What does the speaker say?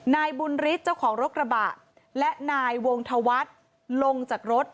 นายบุญฤทธิ์เจ้าของรถกระบะและนายวงธวัฒน์ลงจากรถ